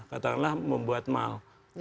katakanlah membuat mal